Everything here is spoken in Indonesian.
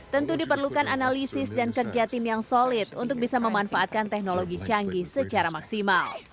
tentu diperlukan analisis dan kerja tim yang solid untuk bisa memanfaatkan teknologi canggih secara maksimal